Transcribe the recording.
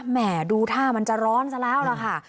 แหม่ดูถ้ามันจะร้อนแล้วละค่ะ